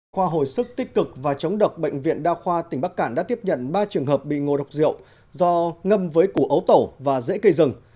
qua hồi sức tích cực và chống độc bệnh viện đa khoa tỉnh bắc cạn đã tiếp nhận ba trường hợp bị ngô độc rượu do ngâm với củ ấu tẩu và rễ cây rừng